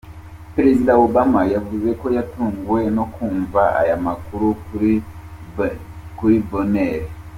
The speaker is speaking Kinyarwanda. Perezida Obama yavuze ko yatunguwe no kumva aya makuru kuri Boehner.